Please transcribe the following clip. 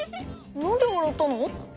なんでわらったの？